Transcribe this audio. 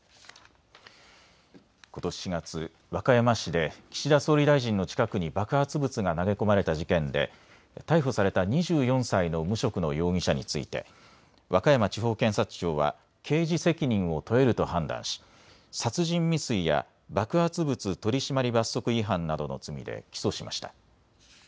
ことし４月、和歌山市で岸田総理大臣の近くに爆発物が投げ込まれた事件で逮捕された２４歳の無職の容疑者について和歌山地方検察庁は刑事責任を問えると判断し殺人未遂や爆発物取締罰則違反などの罪で起訴しました。